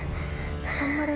頑張れ！